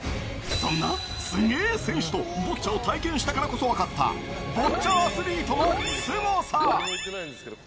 そんなすげぇ選手とボッチャを体験したからこそ分かったボッチャアスリートのすごさ。